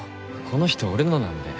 この人俺のなんで。